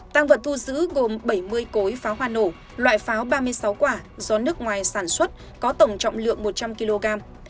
tăng vật thu giữ gồm bảy mươi cối pháo hoa nổ loại pháo ba mươi sáu quả do nước ngoài sản xuất có tổng trọng lượng một trăm linh kg